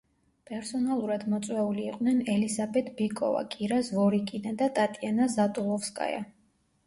პერსონალურად მოწვეული იყვნენ ელისაბედ ბიკოვა, კირა ზვორიკინა და ტატიანა ზატულოვსკაია.